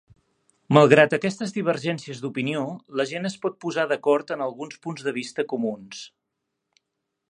Malgrat aquestes divergències d'opinió, la gent es pot posar d'acord en alguns punts de vista comuns.